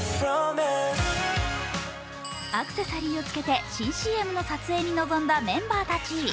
アクセサリーを着けて、新ＣＭの撮影に臨んだメンバーたち。